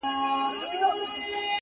راځه د اوښکو تويول در زده کړم،